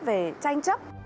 về tranh chấp